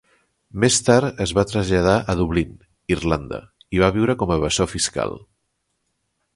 Més tard es va traslladar a Dublín, Irlanda, i va viure com a evasor fiscal.